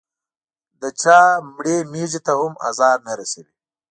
د چا مړې مېږې ته هم ازار نه رسوي.